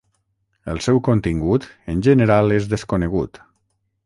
El seu contingut en general és desconegut.